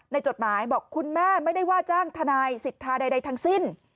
จดหมายบอกคุณแม่ไม่ได้ว่าจ้างทนายสิทธาใดทั้งสิ้น